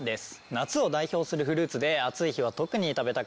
夏を代表するフルーツで暑い日は特に食べたくなりますよね。